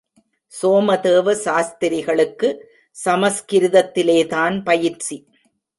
சோமதேவ சாஸ்திரிகளுக்கு சமஸ்கிருதத்திலேதான் பயிற்சி.